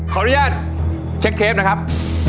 ขออนุญาตเช็คเคฟนะครับ